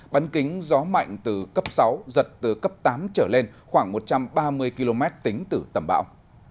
bắn kính gió mạnh từ cấp sáu giật từ cấp tám trở lên khoảng một trăm ba mươi km tính từ tâm bão